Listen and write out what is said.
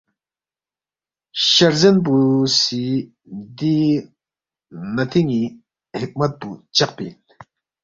شہ رزین پو سی دی نَتِن٘ی حکمت پو چقپی اِن